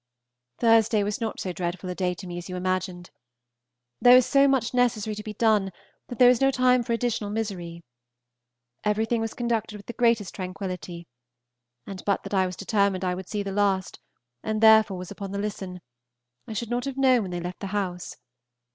Thursday was not so dreadful a day to me as you imagined. There was so much necessary to be done that there was no time for additional misery. Everything was conducted with the greatest tranquillity, and but that I was determined I would see the last, and therefore was upon the listen, I should not have known when they left the house.